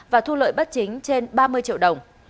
và thu lợi bất chính trên ba mươi triệu đồng